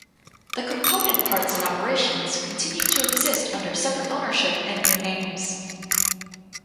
The component parts and operations continued to exist under separate ownership and new names.